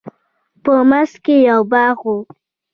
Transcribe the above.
په منځ کښې يې يو باغ و.